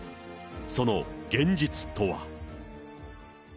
その現実とは。